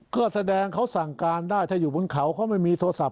ก็แสดงเขาสั่งการได้ถ้าอยู่บนเขาเขาไม่มีโทรศัพ